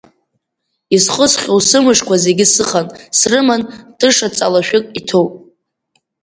Исхысхьоу сымышқәа зегьы сыхан, срыман, тыша ҵалашәык иҭоуп.